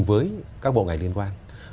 với các bộ ngành liên quan